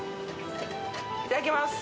いただきます。